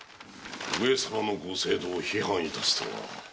上様の御政道を批判致すとは。